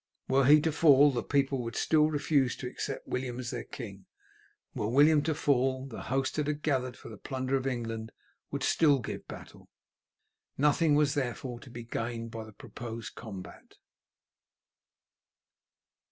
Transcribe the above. Were he to fall, the people would still refuse to accept William as their king; were William to fall, the host that had gathered for the plunder of England would still give battle. Nothing was therefore to be gained by the proposed combat.